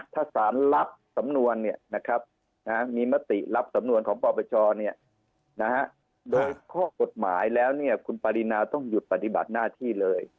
ถ้าสารรับสำนวนมีมติรับสำนวนของปปชโดยข้อกฎหมายแล้วคุณปรินาต้องหยุดปฏิบัติหน้าที่เลย